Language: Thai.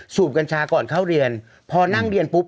กัญชาก่อนเข้าเรียนพอนั่งเรียนปุ๊บ